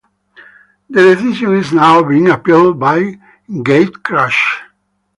The decision is now being appealed by Gatecrasher.